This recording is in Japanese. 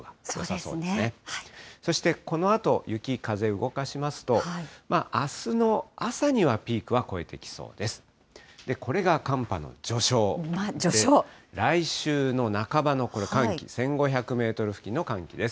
そしてこのあと、雪、風動かしますと、あすの朝にはピークは越えていきそうです。